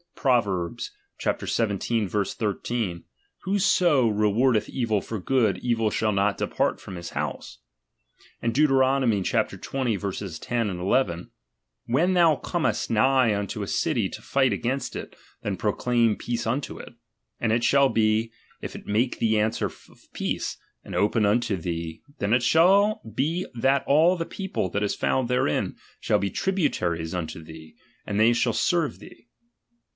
Prov. xvii. 13: Whoso rewardeth evil for good, evil shall not depart from his house. Aud Deut. xx. 10, 11: When thou comest nigh nnto a city to fight against it, then proclaim peace unto it. And it shall be, if it make thee answer of peace, and open unto thee, then it shall be that all the people that is found therein, shall be tributaries unto thee, and they shall serve thee.